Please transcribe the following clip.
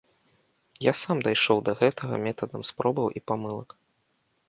Я сам дайшоў да гэтага метадам спробаў і памылак.